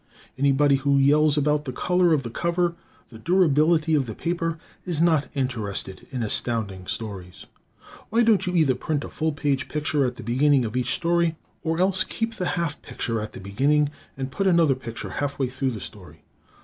Anybody who yells about the color of the cover, the durability of the paper, is not very interested in Astounding Stories. Why don't you either print a full page picture at the beginning of each story or else keep the half page picture at the beginning and put another picture halfway through the story?